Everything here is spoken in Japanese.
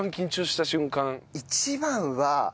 一番は。